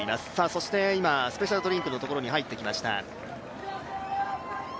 そして今、スペシャルドリンクのところに入ってきました。